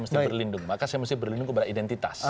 mesti berlindung maka saya mesti berlindung kepada identitas